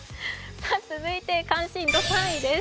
続いて関心度３位です。